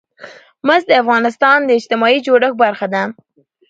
مس د افغانستان د اجتماعي جوړښت برخه ده.